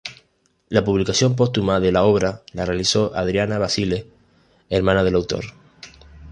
La publicación póstuma de la obra la realizó Adriana Basile, hermana del autor.